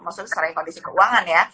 maksudnya sekarang kondisi keuangan ya